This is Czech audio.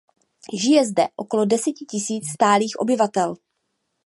Žije zde okolo deseti tisíc stálých obyvatel.